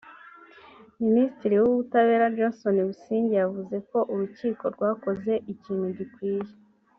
Minisitiri w’ ubutabera Johnston Busingye yavuze ko urukiko rwakoze ikintu gikwiye